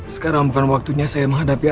sekarang bukan waktunya saya menghadapi